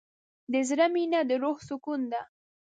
د زړه مینه د روح سکون ده.